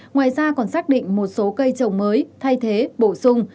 ngoài ra còn xác định một số cây trồng mới thay thế bổ sung